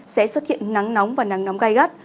sẽ xuất hiện nắng nóng và nắng nóng gai gắt